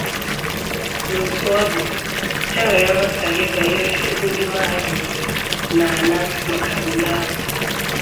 N' otú ọ dị, e nwere nghọtaghie banyere Ego ndị Mahadum na-ana maka ule ahụ.